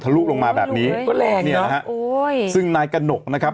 ทะลุลงมาแบบนี้นี่นะฮะซึ่งนายกนกนะครับ